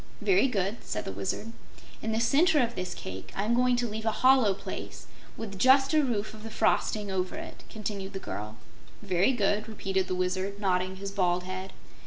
"Very good," said the Wizard. "In the center of this cake I'm going to leave a hollow place, with just a roof of the frosting over it," continued the girl. "Very good," repeated the Wizard, nodding his bald head.